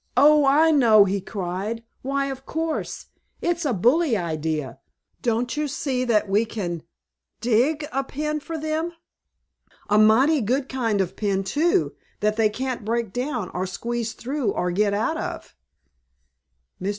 "Oh, I know," he cried. "Why, of course! It's a bully idea! Don't you see that we can dig a pen for them? A mighty good kind of a pen, too, that they can't break down or squeeze through or get out of." Mr.